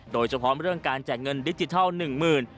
โดยเฉพาะเรื่องการแจกเงินดิจิทัล๑๐๐๐บาท